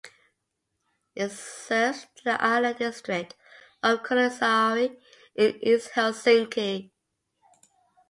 It serves the island district of Kulosaari in East Helsinki.